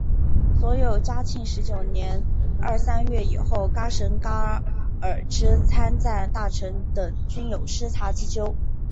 所有嘉庆十九年二三月以后喀什噶尔之参赞大臣等均有失察之咎。